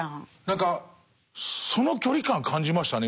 何かその距離感感じましたね